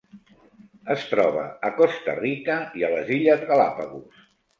Es troba a Costa Rica i a les Illes Galápagos.